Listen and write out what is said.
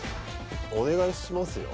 お願いしますよ。